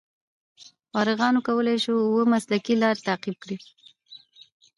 فارغان کولای شي اوه مسلکي لارې تعقیب کړي.